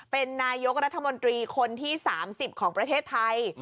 เป็นนายกรัฐมนตรีคนที่๓๐ของประเทศไทย